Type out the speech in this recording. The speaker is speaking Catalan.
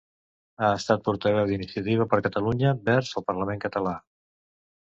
Ha estat portaveu d'Iniciativa per Catalunya Verds al parlament català.